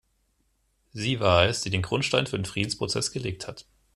Sie war es, die den Grundstein für den Friedensprozess gelegt hat.